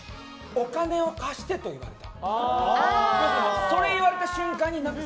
お金を貸してと言われた。